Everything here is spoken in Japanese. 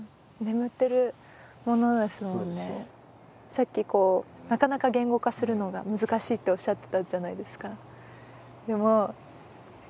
さっき「なかなか言語化するのが難しい」っておっしゃってたじゃないですか。